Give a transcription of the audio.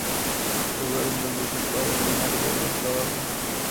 Lugar en dónde su padre, Thomas Gordon, trabajaba.